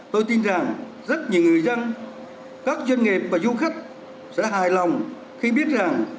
tôi tin rằng rất nhiều người dân các doanh nghiệp và du khách sẽ hài lòng khi biết rằng